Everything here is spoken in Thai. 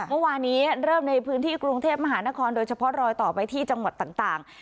เมื่อวานนี้เริ่มในพื้นที่กรุงเทพมหานครโดยเฉพาะรอยต่อไปที่จังหวัดต่าง